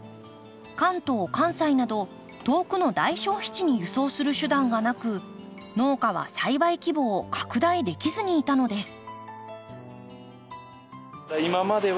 関東関西など遠くの大消費地に輸送する手段がなく農家は栽培規模を拡大できずにいたのです。